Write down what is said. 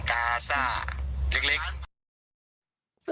กาซ่าเล็ก